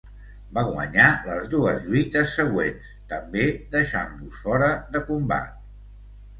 Va guanyar les dues lluites següents, també deixant-los fora de combat.